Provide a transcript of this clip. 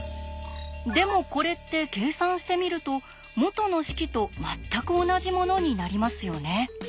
でもこれって計算してみると元の式と全く同じものになりますよね。